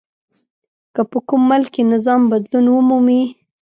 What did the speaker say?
که په کوم ملک کې نظام بدلون ومومي.